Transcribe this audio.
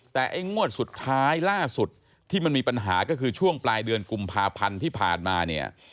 แต่ไอ้งวดสุดท้ายล่าสุดที่มันมีปัญหาก็คือช่วงปลายเดือนกุมภาพันธ์ที่ผ่านมาเนี่ย